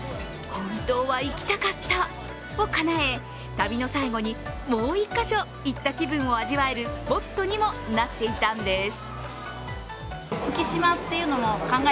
本当は行きたかったをかなえ旅の最後にもう１カ所行った気分を味わえるスポットにもなっていたんです。